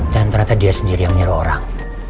dan ternyata dia sendiri yang nyuruh orang